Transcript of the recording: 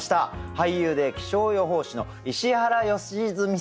俳優で気象予報士の石原良純さんです。